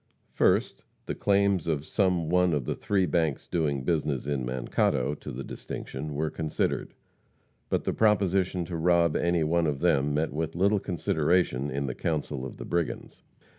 First, the claims of some one of the three banks doing business in Mankato to the distinction were considered. But the proposition to rob any one of them met with little consideration in the council of the brigands.